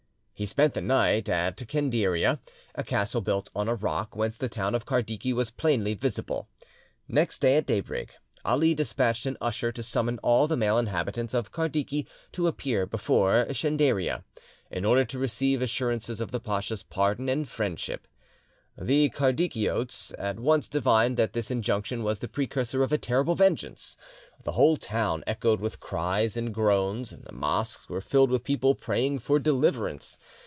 He spent the night at Chenderia, a castle built on a rock, whence the town of Kardiki was plainly visible. Next day at daybreak Ali despatched an usher to summon all the male inhabitants of Kardiki to appear before Chenderia, in order to receive assurances of the pacha's pardon and friendship. The Kardikiotes at once divined that this injunction was the precursor of a terrible vengeance: the whole town echoed with cries and groans, the mosques were filled with people praying for deliverance.